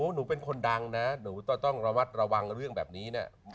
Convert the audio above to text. หนูเป็นคนดังนะหนูต้องระวัดระวังเรื่องแบบนี้นะ